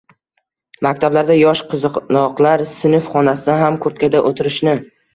Maktablarda yosh qizaloqlar sinf xonasida ham kurtkada o‘tirishini